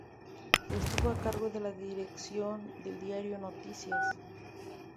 Estuvo a cargo de la dirección del diario "Noticias".